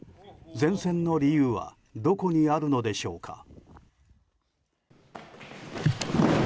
善戦の理由はどこにあるのでしょうか。